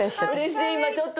嬉しい今ちょっと。